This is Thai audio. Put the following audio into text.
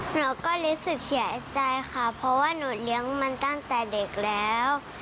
หนูก็รู้สึกเสียใจค่ะเพราะว่าหนูเลี้ยงมันตั้งแต่เด็กแล้ว